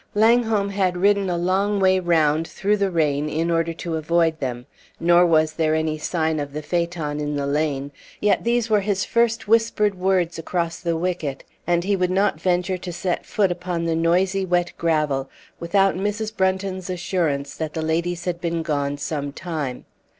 Langholm had ridden a long way round, through the rain, in order to avoid them; nor was there any sign of the phaeton in the lane; yet these were his first whispered words across the wicket, and he would not venture to set foot upon the noisy wet gravel without Mrs. Brunton's assurance that the ladies had been gone some time.